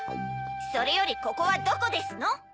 それよりここはどこですの？